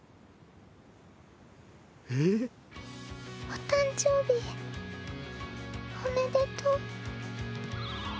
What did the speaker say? お誕生日おめでとう。